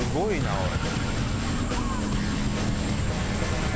おい。